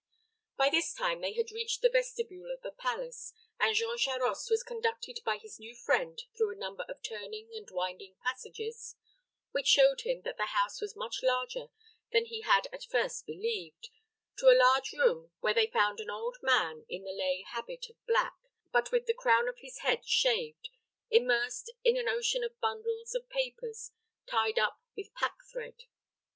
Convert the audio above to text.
By this time they had reached the vestibule of the palace, and Jean Charost was conducted by his new friend through a number of turning and winding passages, which showed him that the house was much larger than he had at first believed, to a large room, where they found an old man in a lay habit of black, but with the crown of his head shaved, immersed in an ocean of bundles of papers, tied up with pack thread.